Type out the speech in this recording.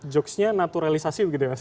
jokesnya naturalisasi begitu ya mas